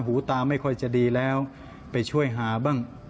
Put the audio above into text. หูตาไม่ค่อยจะดีแล้วไปช่วยหาบ้าง